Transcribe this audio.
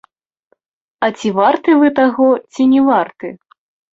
А ці варты вы таго ці не варты?